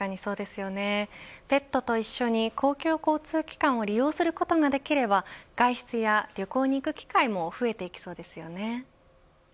ペットと一緒に公共交通機関を利用することができれば外出や旅行に行く機会も増えていきそうですよね。